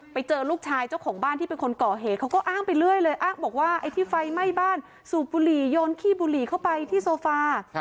ไปเจอลูกชายเจ้าของบ้านที่เป็นคนก่อเหตุเขาก็อ้างไปเรื่อยเลยอ้างบอกว่าไอ้ที่ไฟไหม้บ้านสูบบุหรี่โยนขี้บุหรี่เข้าไปที่โซฟา